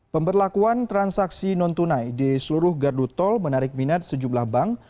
pemberlakuan transaksi non tunai di seluruh gardu tol menarik minat sejumlah bank